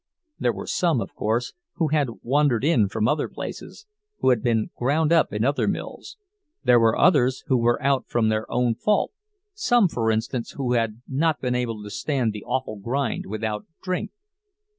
There were some, of course, who had wandered in from other places, who had been ground up in other mills; there were others who were out from their own fault—some, for instance, who had not been able to stand the awful grind without drink.